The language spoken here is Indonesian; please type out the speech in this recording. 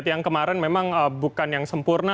yang kemarin memang bukan yang sempurna